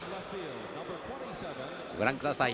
ご覧ください。